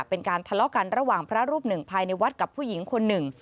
เป็นการทะเลาะกันระหว่างพระรูปหนึ่งภายในวัดกับผู้หญิงคนหนึ่ง